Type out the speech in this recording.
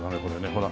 ほら。